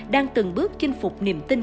đang từng bước chinh phục niềm tin